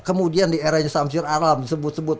kemudian di era samsyar aram sebut sebut